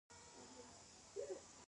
د کوشانیانو هنر د ګندهارا سبک و